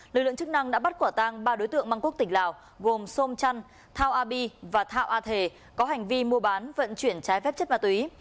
lực lượng chức năng đã bắt quả tang ba đối tượng mang quốc tịch lào gồm sôm chăn thao a bi và thao a thề có hành vi mua bán vận chuyển trái phép chất ma túy